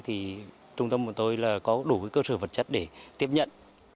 thì trung tâm của tôi là có đủ cơ sở vật chất để tiếp nhận